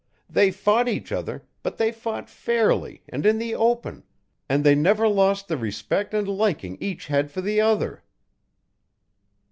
They fought each other, but they fought fairly and in the open, and they never lost the respect and liking each had for the other."